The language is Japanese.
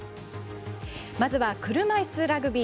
まずは、車いすラグビー。